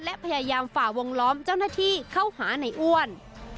และพยายามฝ่าวงล้อมเจ้าหน้าที่เข้าหาในอ้วน